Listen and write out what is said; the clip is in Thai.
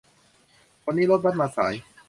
วันนี้รถบัสมาสาย